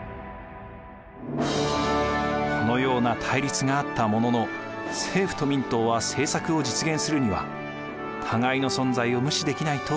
このような対立があったものの政府と民党は政策を実現するには互いの存在を無視できないと気付きます。